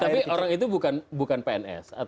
tapi orang itu bukan pns